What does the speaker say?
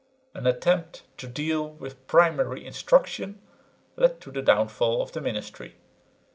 An attempt to deal with primary instruction led to the downfall of the ministry.